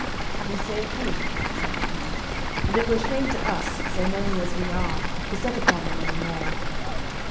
"Ye say truth," said the King, "and it were shame to us, so many as we are, to set upon them any more."